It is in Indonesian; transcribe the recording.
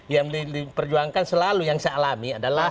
yang diperjuangkan selalu yang saya alami adalah